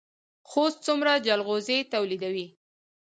خوست څومره جلغوزي تولیدوي؟